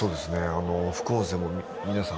副音声も皆さん